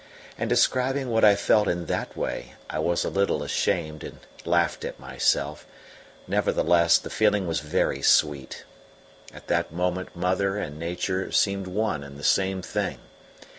And describing what I felt in that way, I was a little ashamed and laughed at myself; nevertheless the feeling was very sweet. At that moment Mother and Nature seemed one and the same thing.